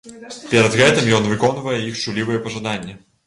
Перад гэтым ён выконвае іх чуллівыя пажаданні.